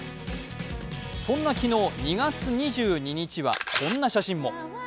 そんな昨日、２月２２日は、こんな写真も。